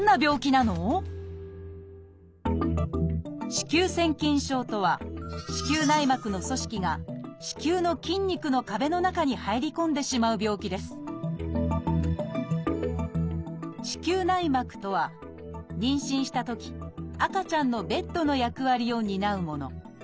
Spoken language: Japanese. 「子宮腺筋症」とは子宮内膜の組織が子宮の筋肉の壁の中に入り込んでしまう病気です子宮内膜とは妊娠したとき赤ちゃんのベッドの役割を担うもの。